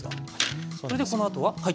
それでこのあとは。